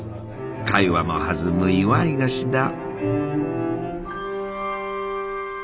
会話も弾む祝い菓子だ。